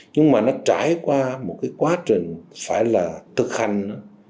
nhưng mà nó trải qua một cái quá trình phải là thực hành